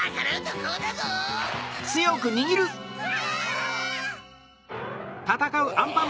うわ！